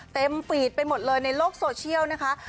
ปีดไปหมดเลยในโลกโซเชียลนะคะ